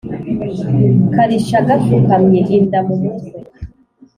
Karisha gapfukamye.-Inda mu mutwe.